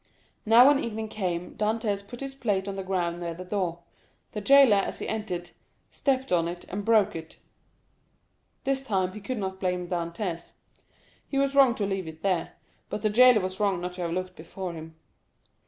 Now when evening came Dantès put his plate on the ground near the door; the jailer, as he entered, stepped on it and broke it. This time he could not blame Dantès. He was wrong to leave it there, but the jailer was wrong not to have looked before him.